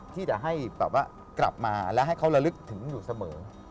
ที่จะให้แบบว่ากลับมาและให้เขาระลึกถึงอยู่เสมอ